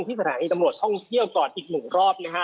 สถานีตำรวจท่องเที่ยวก่อนอีกหนึ่งรอบนะฮะ